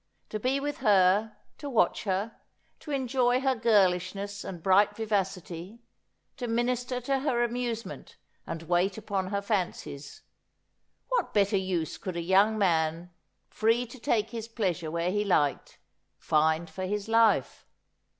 To be with her, to watch her, to enjoy her girlishness and bright vivacity, to minister to her amusement and wait upon her fancies — what better use could a young man, free to take his pleasure where he liked, find for his life